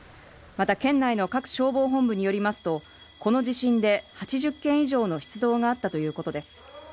また県内の各消防本部によりますと、この地震で８０件以上の出動があったということです。